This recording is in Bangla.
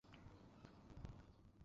এই ঝারবাতির নিচে, - তুমি কে?